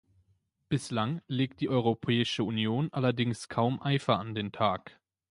Bislang legt die Europäische Union allerdings kaum Eifer an den Tag.